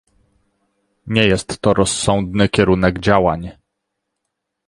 Nie jest to rozsądny kierunek działań